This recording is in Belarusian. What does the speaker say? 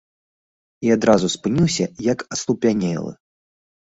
І адразу спыніўся як аслупянелы.